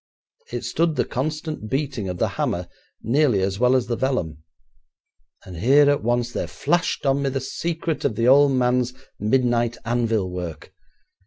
It stood the constant beating of the hammer nearly as well as the vellum, and here at once there flashed on me the secret of the old man's midnight anvil work.